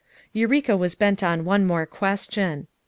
Eureka was bent on one more question.